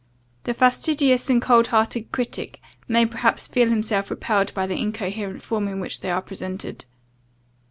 The fastidious and cold hearted critic may perhaps feel himself repelled by the incoherent form in which they are presented.